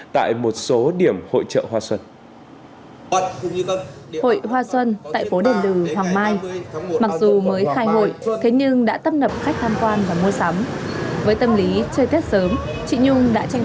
tại một số điểm hội chợ hoa xuân